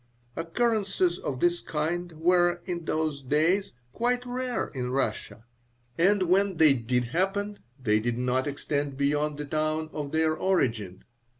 Occurrences of this kind were, in those days, quite rare in Russia, and when they did happen they did not extend beyond the town of their origin.